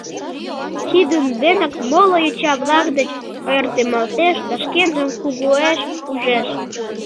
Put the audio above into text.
Тидын денак моло йоча-влак деч ойыртемалтеш да шкенжым кугуэш ужеш.